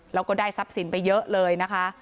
แล้วก็ได้ทรัพย์สินไปเยอะเลยนะคะ